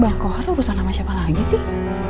bang kohar tuh pusing nama siapa lagi sih